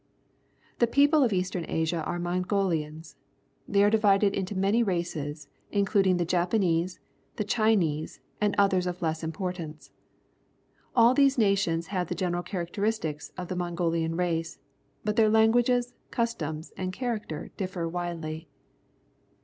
The people of Eastern Asia are Mongolia}}^. Thej' are di\'ided into many races, including the Japanese, the Chinese, and others of less importance. All these nations have the general characteristics of the Mongolian race, but their languages, customs, and character differ ^\ idely.